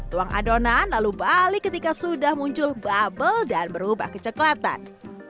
tuang adonan lalu balik ketika sudah muncul bubble dan berubah kecoklatan